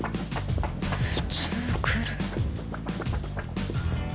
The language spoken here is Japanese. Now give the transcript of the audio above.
普通来る？